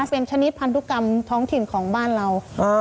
เป็นชนิดพันธุกรรมท้องถิ่นของบ้านเรา